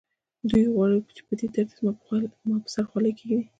دوی غواړي چې په دې ترتیب زما پر سر خولۍ کېږدي